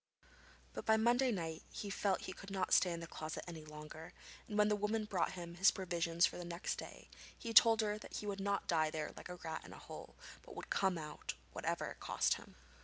But by Monday night he felt he could not stay in the closet any longer, and when the woman brought him his provisions for the next day he told her that he would not die there like a rat in a hole, but would come out whatever it cost him.